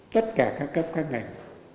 tất cả các cấp các ngành